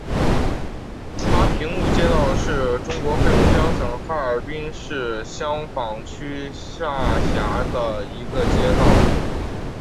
哈平路街道是中国黑龙江省哈尔滨市香坊区下辖的一个街道。